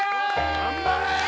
・頑張れ！